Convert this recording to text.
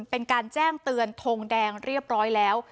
เป็นการแจ้งเตือนทงแดงเรียบร้อยแล้ว